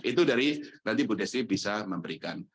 itu dari nanti bu desi bisa memberikan